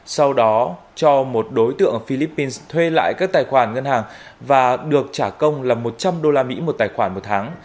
sau đó cho một đối tượng ở philippines thuê lại các tài khoản ngân hàng và được trả công là một trăm linh usd một tài khoản một tháng